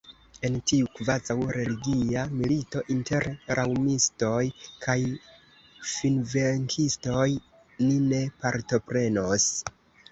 En tiu kvazaŭ religia milito inter raŭmistoj kaj finvenkistoj ni ne partoprenos.